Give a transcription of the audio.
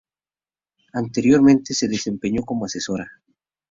Anteriormente se desempeñó como asesora.